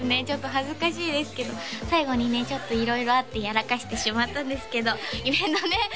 ちょっと恥ずかしいですけど最後にねちょっと色々あってやらかしてしまったんですけど夢のね